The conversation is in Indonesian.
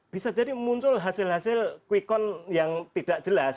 bisa jadi muncul hasil hasil quick count yang tidak jelas